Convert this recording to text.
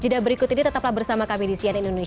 jeda berikut ini tetaplah bersama kami di cnn indonesia